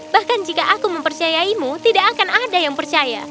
bahkan jika aku mempercayaimu tidak akan ada yang percaya